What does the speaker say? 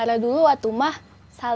tidak ada masalah besar besaran sekarang